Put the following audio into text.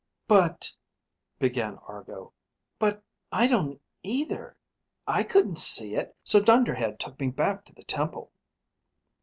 "But ..." began Argo. "But I don't either. I couldn't see it, so Dunderhead took me back to the temple."